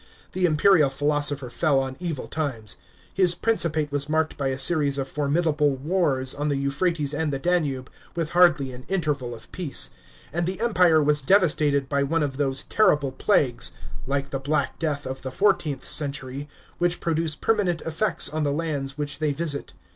The imperial philosopher fell on evil times. His principate was marked by a series 01 formidable wars on the Euphrates and the Danube, with hardly an interval of peace ; and the Empire was devastated by one of those terrible pla.ues — like the Black Death of the fourteenth century — which produce permanent effects on the lands which they visit.